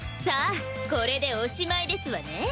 さあこれでおしまいですわね。